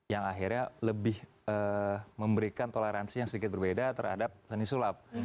yang akhirnya lebih memberikan toleransi yang sedikit berbeda terhadap seni sulap